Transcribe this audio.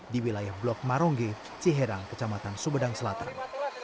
di wilayah blok marongge ciherang kecamatan sumedang selatan